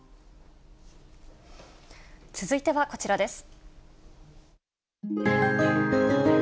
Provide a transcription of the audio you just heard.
続いてはこちらです。